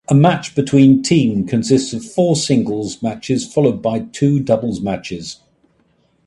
A match between team consists of four singles matches followed by two doubles matches.